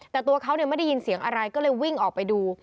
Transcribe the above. แต่ตัวเขาไม่ได้ยินเสียงอะไรก็เลยวิ่งออกไปดู